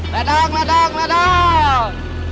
ladang ladang ladang